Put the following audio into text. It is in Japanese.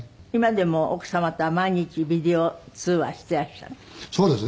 今でも奥様とは毎日ビデオ通話してらっしゃる？